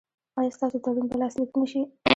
ایا ستاسو تړون به لاسلیک نه شي؟